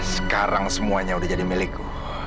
sekarang semuanya udah jadi milikku